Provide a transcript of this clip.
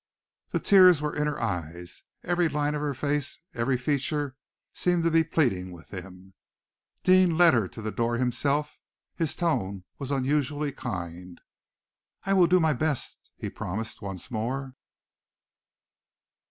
The tears were in her eyes. Every line of her face, every feature, seemed to be pleading with him. Deane led her to the door himself. His tone was unusually kind. "I will do my best," he promised once more.